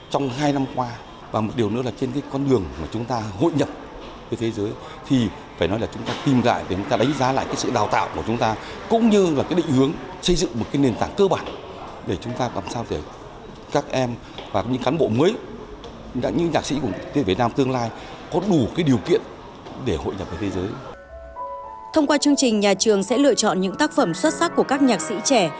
thông qua chương trình nhà trường sẽ lựa chọn những tác phẩm xuất sắc của các nhạc sĩ trẻ